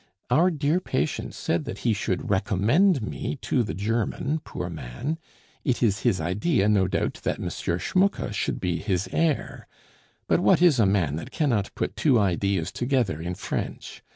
Our dear patient said that he should recommend me to the German, poor man; it is his idea, no doubt, that M. Schmucke should be his heir. But what is a man that cannot put two ideas together in French?